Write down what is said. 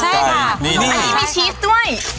ใช่ค่ะอันนี้มีชีสด้วย